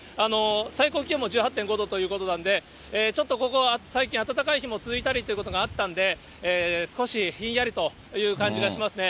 最高気温も１８．５度ということなんで、ちょっとここ、最近暖かい日が続いたりということがあったんで、少しひんやりという感じがしますね。